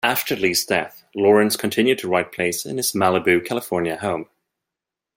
After Lee's death, Lawrence continued to write plays in his Malibu, California home.